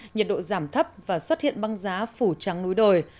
nhiệt độ giảm thấp và xuất hiện băng giá phủ trắng núi đồi